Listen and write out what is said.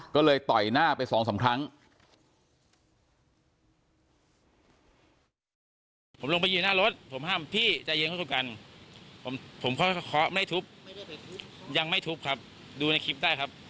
ก็เลยต่อยหน้าไปสองสามครั้ง